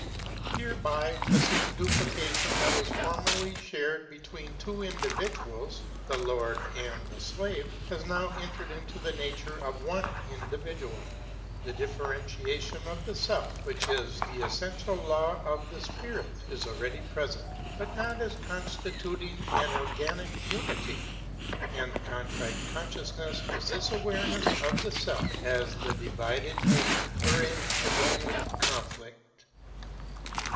Hereby the same duplication that was formerly shared between two individuals, the Lord and the Slave, has now entered into the nature of one individual. The differentiation of the Self, which is the essential Law of the Spirit, is already present, but not as constituting an organic unity, and the CONTRITE CONSCIOUSNESS is this awareness of the Self as the divided Nature, wherein is only conflict.